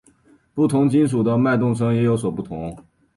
不同金属的脉动声也有所不同。